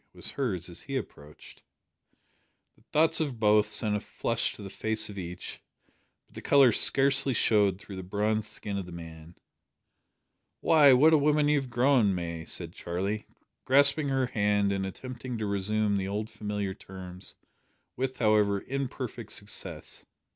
was hers as he approached. The thoughts of both sent a flush to the face of each, but the colour scarcely showed through the bronzed skin of the man. "Why, what a woman you have grown, May!" said Charlie, grasping her hand, and attempting to resume the old familiar terms with, however, imperfect success.